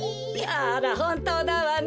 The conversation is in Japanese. あらほんとうだわね。